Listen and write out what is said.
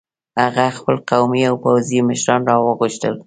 هغه خپل قومي او پوځي مشران را وغوښتل.